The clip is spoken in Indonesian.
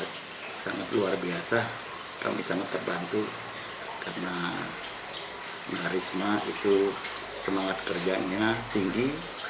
sangat luar biasa kami sangat terbantu karena risma itu semangat kerjanya tinggi